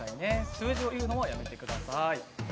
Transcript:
数字を言うのはやめてください。